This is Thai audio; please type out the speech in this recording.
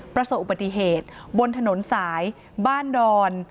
ประสบอุบัติเหตุบนถนนสายบ้านดอน